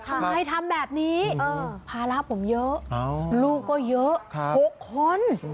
ทำไมทำแบบนี้ภาระผมเยอะลูกก็เยอะ๖คน